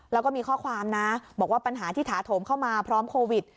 แล้วก็มีข้อความนะบอกว่าปัญหาที่ถาโถมเข้ามาพร้อมโควิด